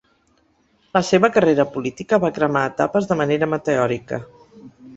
La seva carrera política va cremar etapes de manera meteòrica.